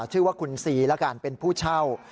ชื่อว่าคุณซีแล้วกันเป็นผู้เช่า